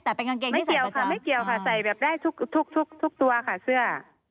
แต่เป็นกางเกงที่ใส่กับจ้างไม่เกี่ยวครับใส่ได้ทุกตัวค่ะเซื้อ